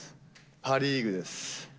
パ・リーグです。